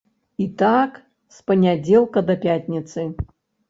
І так з панядзелка да пятніцы.